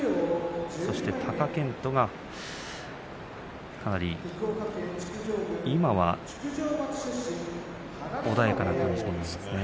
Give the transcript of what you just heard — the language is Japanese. そして貴健斗が、かなり今は穏やかな感じですね。